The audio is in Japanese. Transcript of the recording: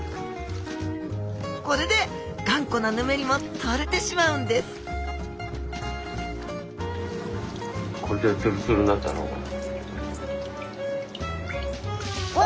これで頑固なヌメリも取れてしまうんですお！